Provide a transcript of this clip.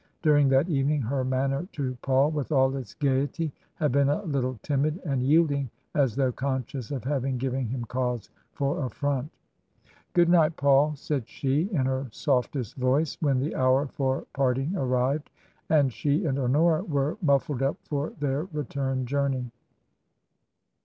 During that evening her manner to Paul, with all its gaiety, had been a little timid and yielding, as though conscious of having given him cause for affront "Good night, Paul," said she, in her softest voice, when the hour for parting arrived, and she and Honora were muffled up for their return journey.